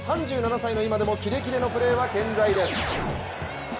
３７歳の今でもキレキレのプレーは健在です。